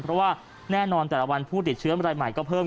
เพราะว่าแน่นอนแต่ละวันผู้ติดเชื้ออะไรใหม่